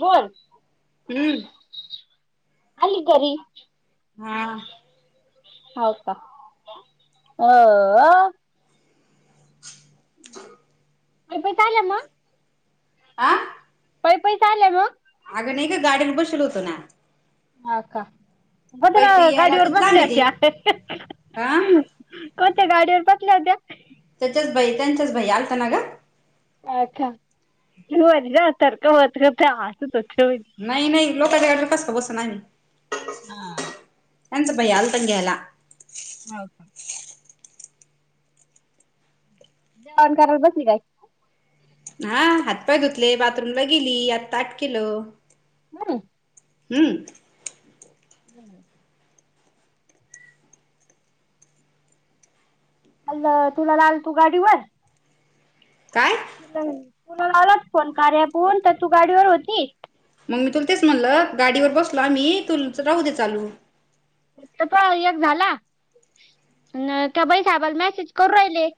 बोल. हम्म. आली घरी. हा हाव का, अअ प चाल मग,, [unintelligible] आं. काई पैसे आले मग अगं नाही ग, गाडीत बशीवलो होतो ना. हा का, बंद पैपी यायला गाडीवर किती लांब बसल्या आहे ते त्या हा कोणत्या गाडीवर बसल्या होत्या? त्याच्याच, भई त्यांच्याच भाई आलताना ग. अच्छा, [unintelligible] नाही नाही, लोकांच्या गाडीवर कस बसून आली. हा. त्यांचा भाई आलता ग घ्यायला. होव का जेवाण करत बसली काय? हा हातपाय धुतले, बाथरूमला गेली, आत ताट केलं. म्हणून हूं बरं हल्ल तुला लावाला तू गाडीवर काय? ती नाही तुला लावला फोन कार्या अँपवर, पण तू गाडीवर होती. मंग मी तुला तेच म्हणलं, गाडीवर बसलो आम्ही, तुमच राहू दे चालू त पा एक झाला, न त्या बई साहेबाला मेसेज करू राहिले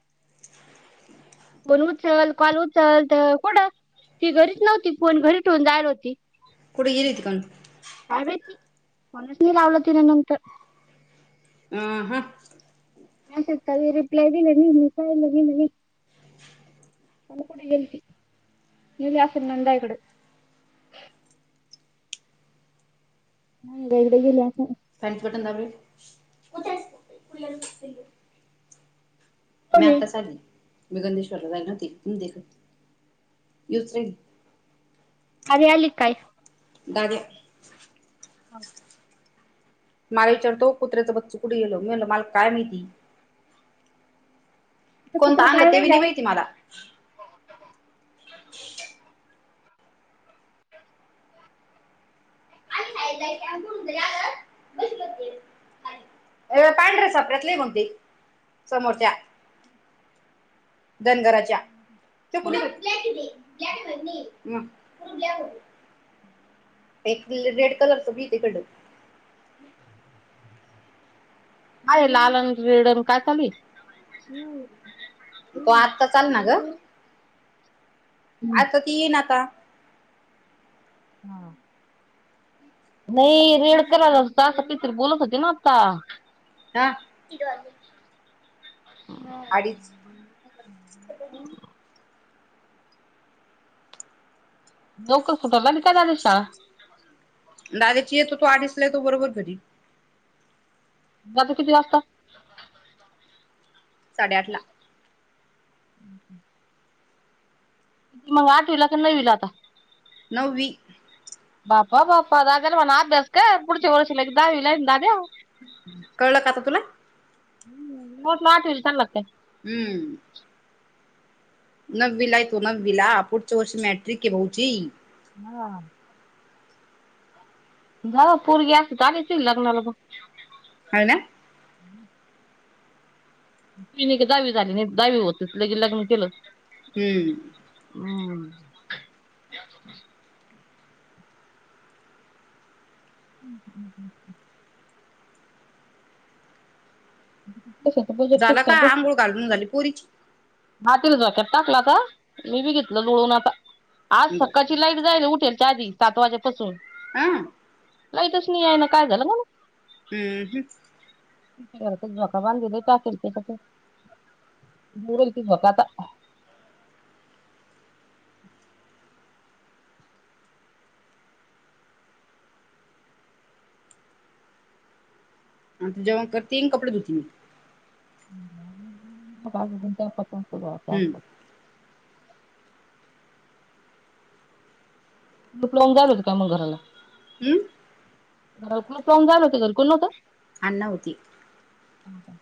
फोन उचल, कॉल उचल, त कुड ती घरीच नव्हती, फोन घरी ठेवून जायली होती. कुड गेली होती काणु काय माहीती, फोनच नाय लावलं तिन नंतर अंह मेसेज चां बी रिप्लाय दिला नाय न पाहिलं बी नाय कायनु कुड गेल्ती, गेली आसल नंदबायकडं नाय एकदा गेले होते. फॅनच बटन दाब रे, [unintelligible] मी कोणी आताच आली, मी गंधेश्वरला जायली नव्हती, तुम देखत येऊच राहिली. आवी आली की काय? दादया हाव काय माला विचारतो, कुत्र्याचं बच्चू कुड गेल, मी म्हणलं मला काय माहिती. तर कोणत कुत्र आणलं ते पाळलंय बी नाय काय माहिती माला काय नाय [unintelligible] तुमच [unintelligible] होय ओ पांढऱ्या सपरातल हाय मंग ते समोरच्या धनगराच्या छकुली ब्लॅकच ये ब्लँक अँड व्हाईट नाहीये म [unintelligible] एक रेड कलरच बी ये तिकड हाय लाल अनं रेड अनं काय चालु ये तो आत्ताच आल ना ग आता ती येईन आता हा नही रेड कलरच असं कायतरी बोलत होती ना आता हा नाय अडीच नाय [unintelligible] लवकर सुटाय लागली काय दादूची शाळा? दादाची येतो तो अडीचला येतो बरोबर घरी जातो किती वाजता? साडेआठला हूं हूं ती मंग आठवीला का नव्वीला आता नव्वी बापा बापा दादयाला म्हणाव अभ्यास कर पुढच्या वर्षी लेक दहावीला ये न दादया हूं कळलं का आता तुला हम्म मला वाटलं आठवीला चालला का काय हम्म नववीला ए तो. नववीला. पुढच्या वर्षी मॅट्रिक आहे भाऊची. हा. हां. पोरगी असली त आणायची ना लग्नाला म. हाव ना? [unintelligible] दाहावी झाली नाही. दहावी होतेस की लगे लग्न केलं. हम्म. हम्म. हम् ह. हं. ह. ोल झाल का? आंघोळ घालून झाली पोरीची? हा. तिला झोक्यात टाकल आता. मी बि घेतलं लोळून आता. आज बर सकाळ- -ची लाईट जायेल ए. उठेल च्या आधी सात वाजेपासून. आं? लाईटच नाही येईना. काय झालं काय जणू. हम्म ह. मी घरातच झोका बांधूनही टाकेल त्याच्यात. [unintelligible] ते झोका आता. आणि ती जेवण करती आणि कपडे धुती. हम्म [unintelligible] -लुप लावून जाऊ [unintelligible] का मग घराला हम? घराला कुलूप लावून जायेल होत. घरी कोणी न्हव्ह त? अण्णा होते. हं. का?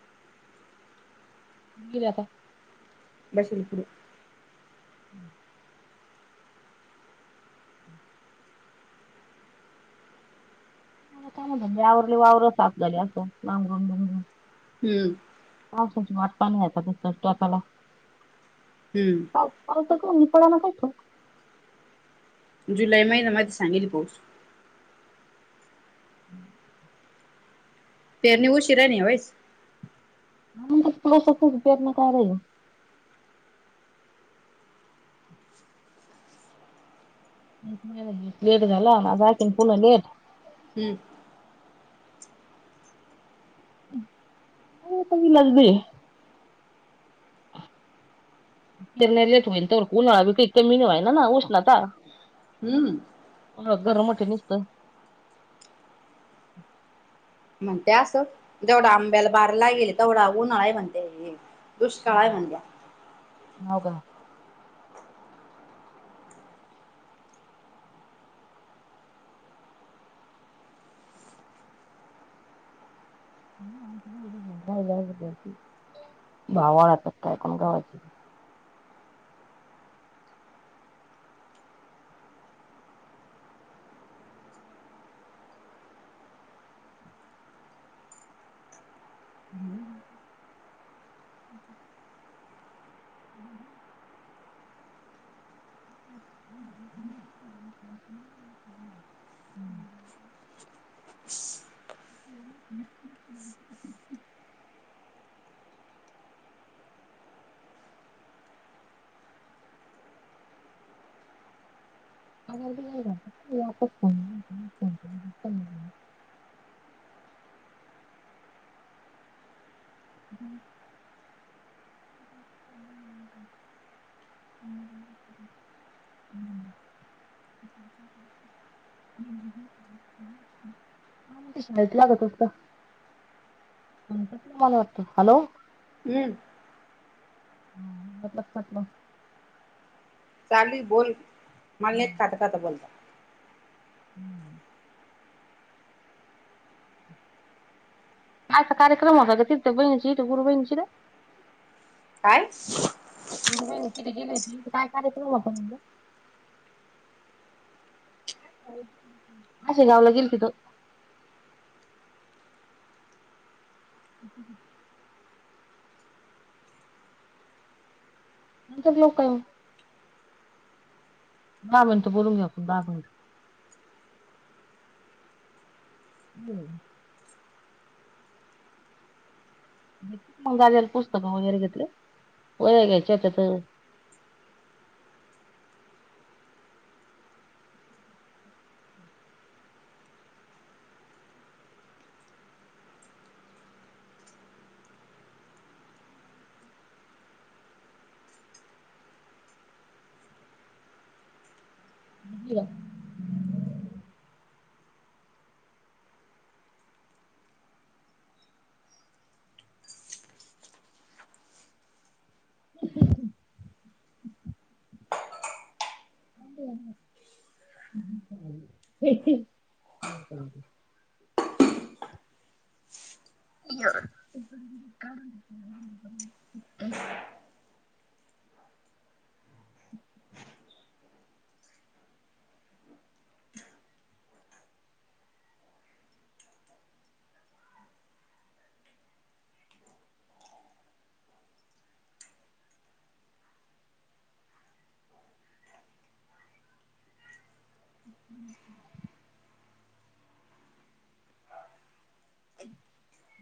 [unintelligible] आता. बाशिंगपूर. हं. काय नाही म्हणलं. आवरले वावर साफ झाले. असं नांगरून नंगरून. हम्म. पावसाची वाट पाहीन नाही [unintelligible] हम्म. [unintelligible] जुलै महिन्यामध्ये सांगेल ए पाऊस. पेरणी उशीरानी होईस. हं. [unintelligible] पेरणी कायला होईल? [unintelligible] लेट झाला. [unintelligible] पुन्हा लेट. हम्म. [unintelligible] पेरण्या लेट होईल तवर [unintelligible] कमी नाही होईना ना उष्णता. हम्म. गरम होतंय नुसतं. म्हणत्याय असं. जेवढा आंब्याला बार लागेल ए तेवढा उन्हाळा म्हणत्याय हे. दुष्काळ आहे म्हणत्या. हो का? भावाळ कायकण गावाची हम्. हम. [inaudible] हम्म. हो. अग घो हम्. ह् ह हम् ह हम्. हम् हम. तेशाच लाग तस का. कस मला वाटतं. हॅलो. हम्म. हा मल मतल चालू आहे बोल मला नाही खातं खातं बोलत. हम्म. आा कार्यक्रम होत का तिथ बणीणची गुरु बणीचीला काय? गुरुई टिकी भेटली काय करायच नाही म आपण म अशे नावला गेल्ती तो अ नंतर लोक बा म्हणं बोलून घे आपण बामन. हम्म. घेतली मग गेल पुस्तक वगैरे घेतली वगैरे घ्यायचे होते. तर ब [unintelligible] ह. हम्. का [unintelligible] [inaudible] अ क [inaudible] [inaudible] [inaudible] हम्म. हम्.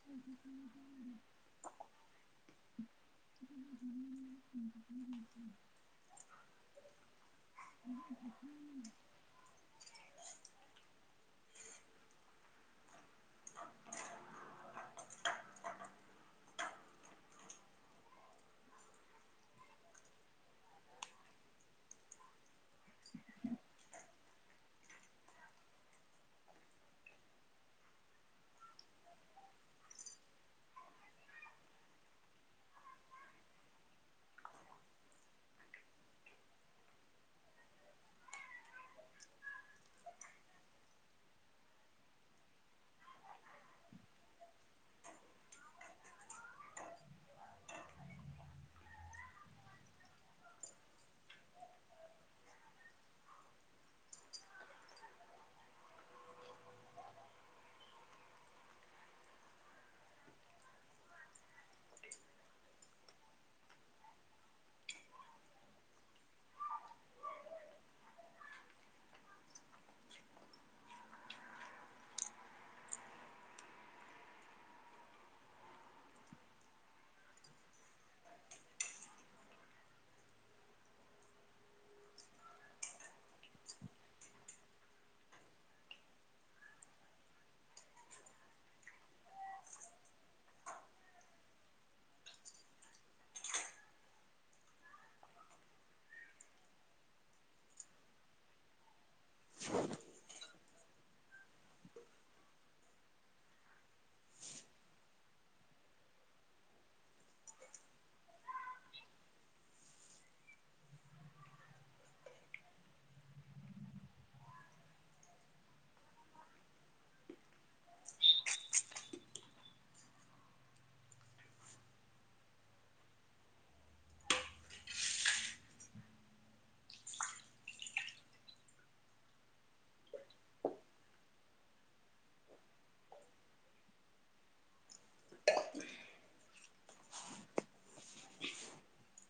ह ह. ह [inaudible] ह [inaudible] [inaudible] [inaudible] [inaudible] [inaudible] [unintelligible]